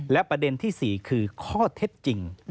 และประเด็นที่๔คือข้อเท็จจริง